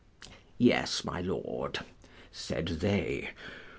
Yes, my lord, said they.